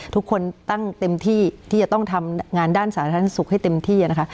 ทุกคนตั้งเต็มที่ที่จะต้องทำงานด้านสาธารณสุขให้เต็มที่นะคะ